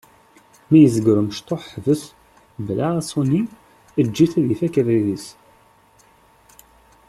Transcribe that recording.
Mi yezger umecṭuḥ ḥbes, bla aṣuni, eǧǧ-it ad ifak abrid-is.